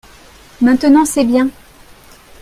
maintenant c'est bien.